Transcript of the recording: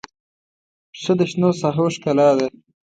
پسه د شنو ساحو ښکلا ده.